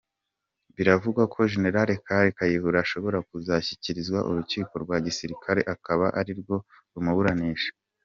Biravugwa ko Gen kale Kayihura ashobora kuzashyikirizwa Urukiko rwa Gisirikare akaba ari rwo rumuburanisha.